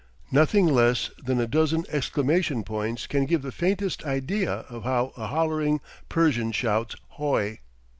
Nothing less than a dozen exclamation points can give the faintest idea of how a "hollering" Persian shouts "H o i."